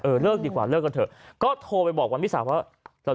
เลิกดีกว่าเลิกกันเถอะก็โทรไปบอกวันพี่สาวว่า